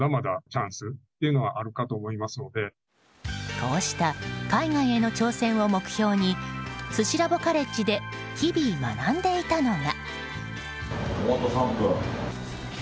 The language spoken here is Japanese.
こうした海外への挑戦を目標にスシラボカレッジで日々学んでいたのが。